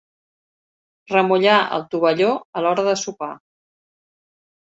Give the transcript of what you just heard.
Remullar el tovalló a l'hora de sopar.